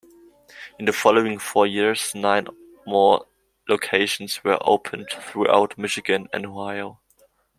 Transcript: In the following four years, nine more locations were opened throughout Michigan and Ohio.